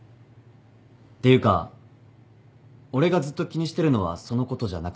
ていうか俺がずっと気にしてるのはそのことじゃなくて。